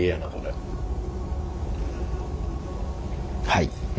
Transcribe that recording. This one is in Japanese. はい。